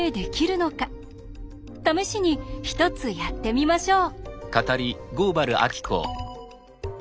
試しに１つやってみましょう。